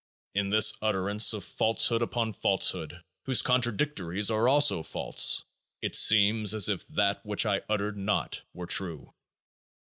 In this utterance of falsehood upon falsehood, whose contradictories are also false, it seems as if That which I uttered not were true.